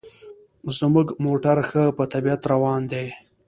زموږ موټر ښه په طبیعت روان دی.